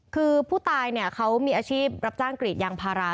คือผู้ตายเนี่ยเขามีอาชีพรับจ้างกรีดยางพารา